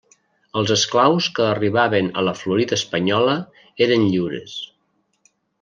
Els esclaus que arribaven a la Florida espanyola eren lliures.